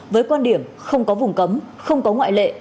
với quan điểm không có vùng cấm không có ngoại lệ